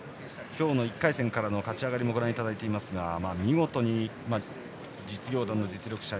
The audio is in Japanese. １回戦からの勝ち上がりをご覧いただいていますが見事に実業団の実力者